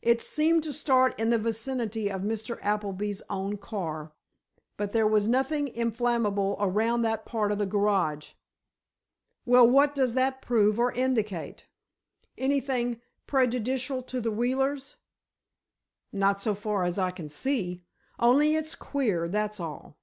It seemed to start in the vicinity of Mr. Appleby's own car. But there was nothing inflammable around that part of the garage." "Well, what does that prove or indicate? Anything prejudicial to the Wheelers?" "Not so far as I can see. Only it's queer, that's all."